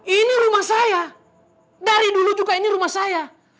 ini rumah saya dari dulu juga ini rumah saya